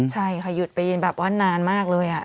ใช่ค่ะหยุดไปแบบว่านานมากเลย